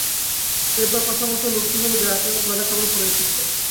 রেবার কথামতো লোকটি হবে গ্রামের, ময়লা কাপড় পরে এসেছে।